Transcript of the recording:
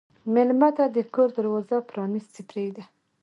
مېلمه ته د کور دروازه پرانستې پرېږده.